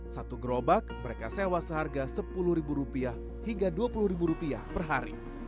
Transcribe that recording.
satu gerobak mereka sewa seharga sepuluh rupiah hingga dua puluh rupiah per hari